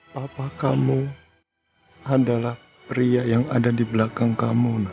papa kamu adalah pria yang ada di belakang kamu